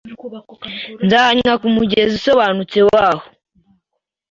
Nzanywa kumugezi usobanutse waho